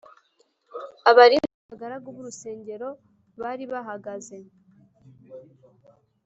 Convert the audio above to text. Abarinzi n’abagaragu b’urusengero bari bahagaze